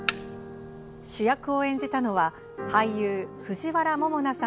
主役を演じたのは俳優、藤原ももなさ